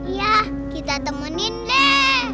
iya kita temenin deh